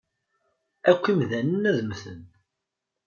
Akk imdanen ad mmten.